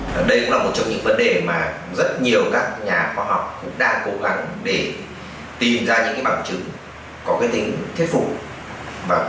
và đây cũng là một trong những vấn đề mà rất nhiều các nhà khoa học cũng đang cố gắng để tìm ra những cái bằng chứng có cái tính thuyết phục